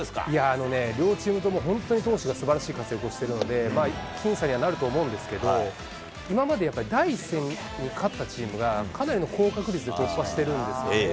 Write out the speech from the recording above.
あのね、両チームとも本当に投手がすばらしい活躍をしているので、僅差にはなると思うんですけど、今までやっぱり第１戦に勝ったチームが、かなりの高確率で突破しているんですよね。